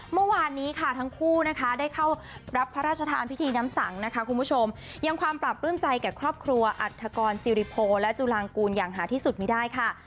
เมื่อวานนี้ค่ะทั้งคู่นะคะได้เข้ารับพระราชทานพิธีน้ำสังนะคะคุณผู้ชมยังความปราบปลื้มใจแก่ครอบครัวอัฐกรสิริโพและจุลางกูลอย่างหาที่สุดไม่ได้ค่ะ